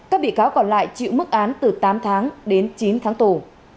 các bị cáo còn lại chịu mức án từ tám tháng đến chín tháng tù